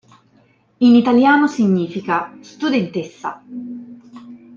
In italiano significa "studentessa".